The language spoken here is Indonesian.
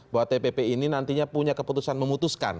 bahwa tpp ini nantinya punya keputusan memutuskan